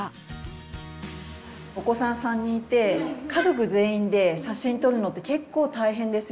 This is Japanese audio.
お子さん３人いて家族全員で写真撮るのって結構大変ですよね。